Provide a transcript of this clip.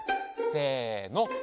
せの。